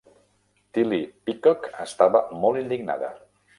Tillie Peacock estava molt indignada.